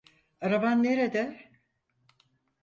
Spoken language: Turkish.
Araban nerede?